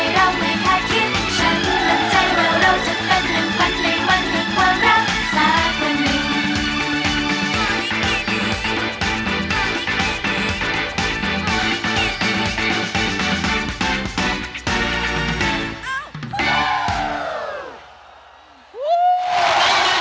เราจะเป็นหนึ่งฝันในมันหนึ่งความรักสักวันหนึ่ง